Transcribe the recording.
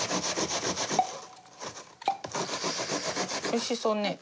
おいしそうね。